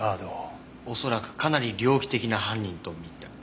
恐らくかなり猟奇的な犯人と見た。